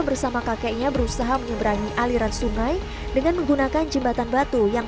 bersama kakeknya berusaha menyeberangi aliran sungai dengan menggunakan jembatan batu yang